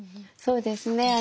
そうですね。